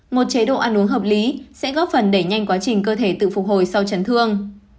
một chế độ ăn uống hợp lý sẽ góp phần đẩy nhanh quá trình cơ thể tự phục hồi sau chấn thương